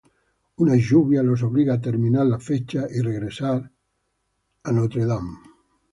Una lluvia los obliga a terminar la fecha y regresar a Notre Dame.